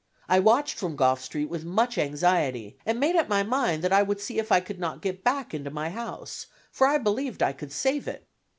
I watched from Gough Street with much anxiety, and made up my mind that I would see if I could not get back into my house, for I believed I could save it.